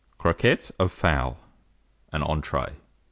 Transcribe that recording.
CROQUETTES OF FOWL (an Entree).